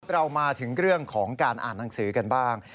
เรามาถึงเรื่องของการอ่านหนังสือกันบ้าง